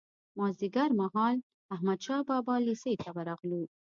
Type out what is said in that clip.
مازیګر مهال احمدشاه بابا لېسې ته ورغلو.